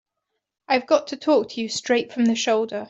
I've got to talk to you straight from the shoulder.